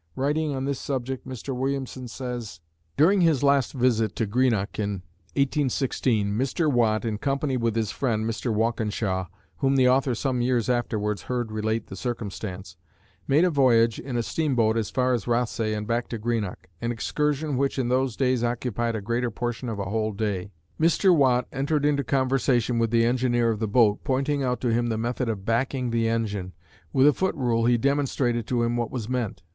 Writing on this subject, Mr. Williamson says: During his last visit to Greenock in 1816, Mr. Watt, in company with his friend, Mr. Walkinshaw whom the author some years afterward heard relate the circumstance made a voyage in a steamboat as far as Rothsay and back to Greenock an excursion, which, in those days, occupied a greater portion of a whole day. Mr. Watt entered into conversation with the engineer of the boat, pointing out to him the method of "backing" the engine. With a footrule he demonstrated to him what was meant.